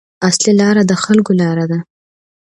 اصلي لاره د خلکو لاره ده.